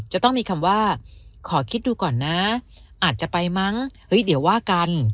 จะต้องมีคำว่าขอคิดดูก่อนนะอาจจะไปมั้งเฮ้ยเดี๋ยวว่ากัน